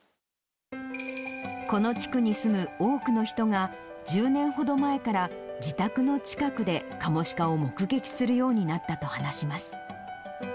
この地区に住む多くの人が、１０年ほど前から、自宅の近くでカモシカを目撃するようになったと話します。